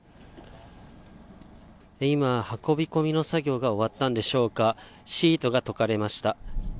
今、運び込みの作業が終わったんでしょうか、シートがとかれました。